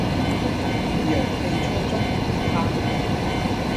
陽氣充足，唔怕